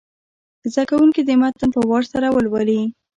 زده کوونکي دې متن په وار سره ولولي.